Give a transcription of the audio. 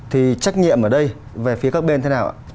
thì trách nhiệm ở đây về phía các bên thế nào ạ